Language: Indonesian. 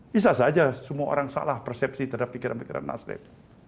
bisa saja semua orang salah persepsi terhadap pikiran pikiran nasdem